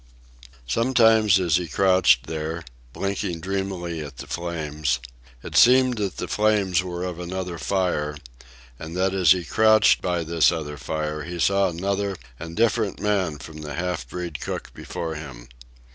Sometimes as he crouched there, blinking dreamily at the flames, it seemed that the flames were of another fire, and that as he crouched by this other fire he saw another and different man from the half breed cook before him.